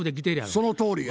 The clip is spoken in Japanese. そのとおりや。